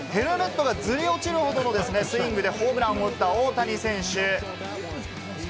ヘルメットがずり落ちるほどのスイングでホームランを打った大谷選手。